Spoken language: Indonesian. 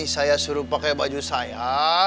saya suruh pakai baju saya